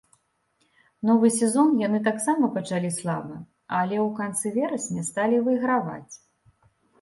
Новы сезон яны таксама пачалі слаба, але ў канцы верасня сталі выйграваць.